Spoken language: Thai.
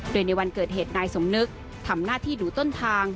โดยในวันเกิดเหตุนายสมนึกทำหน้าที่ดูต้นทาง